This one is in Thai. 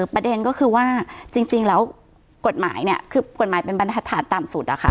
ประเด็นก็คือว่าจริงแล้วกฎหมายเนี่ยคือกฎหมายเป็นบรรทัศน์ต่ำสุดอะค่ะ